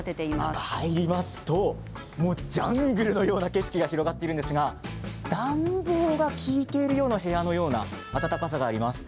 中、入りますともうジャングルのような景色が広がっているんですが暖房が効いているような部屋のような暖かさがあります。